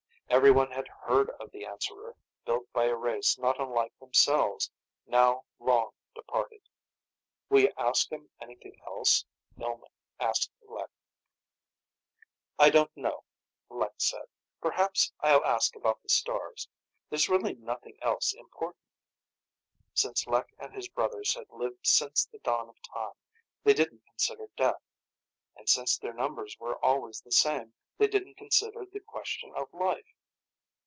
Everyone had heard of the Answerer, built by a race not unlike themselves, now long departed. "Will you ask him anything else?" Ilm asked Lek. "I don't know," Lek said. "Perhaps I'll ask about the stars. There's really nothing else important." Since Lek and his brothers had lived since the dawn of time, they didn't consider death. And since their numbers were always the same, they didn't consider the question of life.